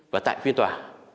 và tại phiên tòa